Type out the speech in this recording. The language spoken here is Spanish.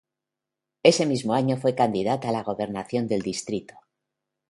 Ese mismo año fue candidata a la gobernación del Distrito.